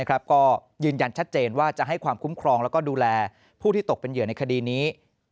ก็ยืนยันชัดเจนว่าจะให้ความคุ้มครองแล้วก็ดูแลผู้ที่ตกเป็นเหยื่อในคดีนี้